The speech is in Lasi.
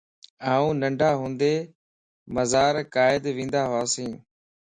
آن ننڍاھوندي مزار قائدت ونداھوياس